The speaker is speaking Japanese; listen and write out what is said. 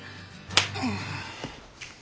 うん。